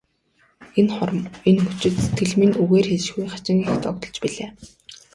Энэ хором, энэ мөчид сэтгэл минь үгээр хэлшгүй хачин их догдолж билээ.